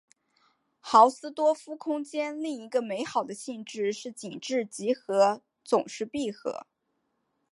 豪斯多夫空间另一个美好的性质是紧致集合总是闭集。